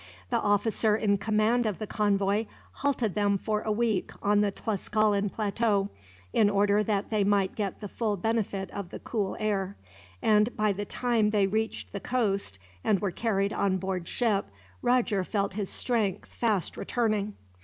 The officer in command of the convoy halted them for a week on the Tlascalan plateau, in order that they might get the full benefit of the cool air; and by the time they reached the coast, and were carried on board ship, Roger felt his strength fast returning.